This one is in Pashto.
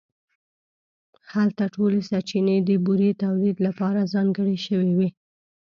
هلته ټولې سرچینې د بورې تولید لپاره ځانګړې شوې وې